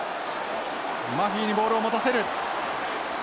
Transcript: マフィにボールを持たせる。